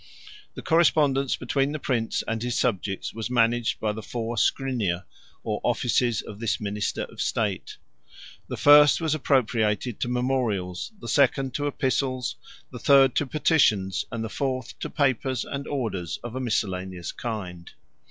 The correspondence between the prince and his subjects was managed by the four scrinia, or offices of this minister of state. The first was appropriated to memorials, the second to epistles, the third to petitions, and the fourth to papers and orders of a miscellaneous kind.